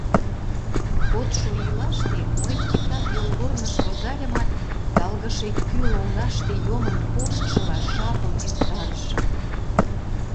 Кодшо ийлаште мый титак йолгорныш возальымат, талгыше кӱ лоҥгаште йомын коштшыла жапым эртарышым.